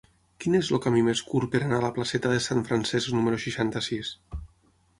Quin és el camí més curt per anar a la placeta de Sant Francesc número seixanta-sis?